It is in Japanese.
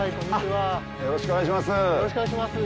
よろしくお願いします。